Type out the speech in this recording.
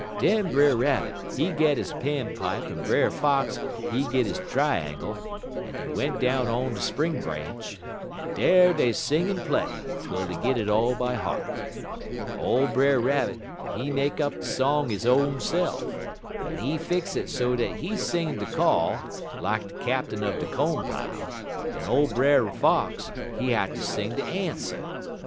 "Den Brer Rabbit, he git he quills en Brer Fox he git he tr'angle, en dey went down on de spring branch, en dar dey sing en play, twel dey git it all by heart. Ole Brer Rabbit, he make up de song he own se'f, en he fix it so dat he sing de call, lak de captain er de co'n pile, en ole Brer Fox, he hatter sing de answer."